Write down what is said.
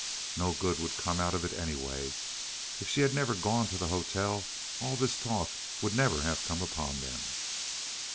No good would come out of it, anyway. If she had never gone to the hotel all this talk would never have come upon them.